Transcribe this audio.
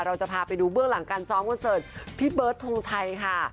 เราจะพาไปดูเบื้องหลังการซ้อมคอนเสิร์ตพี่เบิร์ดทงชัยค่ะ